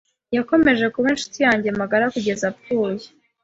Yakomeje kuba inshuti yanjye magara kugeza apfuye.